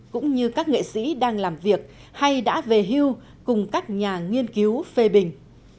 cũng như các nghệ sĩ đang làm việc hay đã về hưu cùng các nhà nghiên cứu phê bình